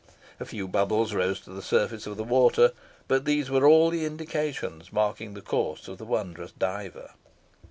A few bubbles rose to the surface of the water, but these were all the indications marking the course of the wondrous diver.